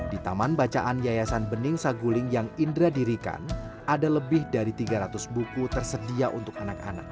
di taman bacaan yayasan bening saguling yang indra dirikan ada lebih dari tiga ratus buku tersedia untuk anak anak